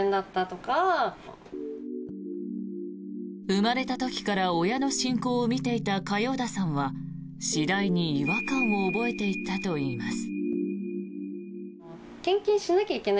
生まれた時から親の信仰を見ていた嘉陽田さんは次第に違和感を覚えていったといいます。